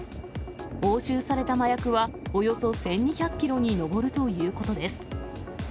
押収された麻薬は、およそ１２００キロに上るということです。